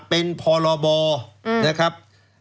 เป็นพรบนะครับ